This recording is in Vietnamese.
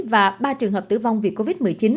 và ba trường hợp tử vong vì covid một mươi chín